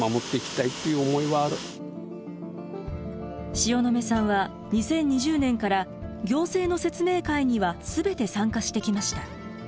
塩野目さんは２０２０年から行政の説明会には全て参加してきました。